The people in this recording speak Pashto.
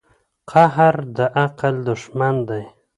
قهر د عقل دښمن دی.